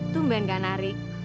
tungguan gak narik